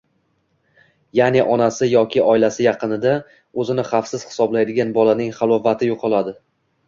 yaʼni onasi yoki oilasi yaqinida o‘zini xavfsiz hisoblaydigan bolaning halovati yo‘qoladi.